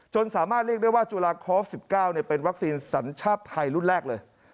สามารถเรียกได้ว่าจุฬาคอร์ส๑๙เป็นวัคซีนสัญชาติไทยรุ่นแรกเลย